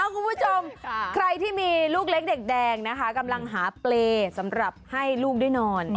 คุณผู้ชมใครที่มีลูกเล็กเด็กแดงนะคะกำลังหาเปรย์สำหรับให้ลูกได้นอน